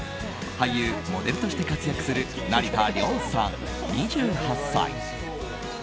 俳優・モデルとして活躍する成田凌さん、２８歳。